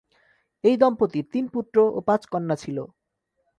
এই দম্পতির তিন পুত্র ও পাঁচ কন্যা ছিল।